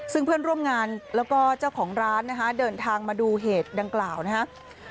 ซึ่งเพื่อนร่วมงานแล้วก็เจ้าของร้านนะฮะเดินทางมาดูเหตุดังกล่าวนะครับ